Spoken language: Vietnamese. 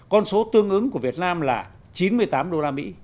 con số tương ứng của việt nam là chín mươi tám usd